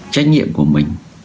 trách nhiệm của mình